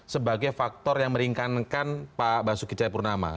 sebagai faktor yang meringkankan pak basuki cahaya purnama